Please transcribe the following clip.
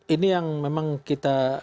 ini yang memang kita